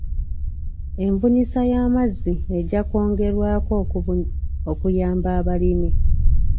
Embunyisa y'amazzi ejja kwongerwako okuyamba abalimi.